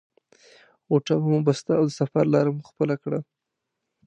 غوټه مو بسته او د سفر لاره مو خپله کړه.